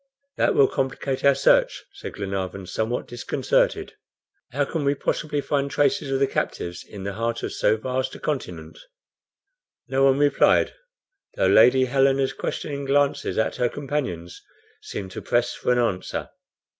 "That will complicate our search," said Glenarvan, somewhat disconcerted. "How can we possibly find traces of the captives in the heart of so vast a continent?" No one replied, though Lady Helena's questioning glances at her companions seemed to press for an answer.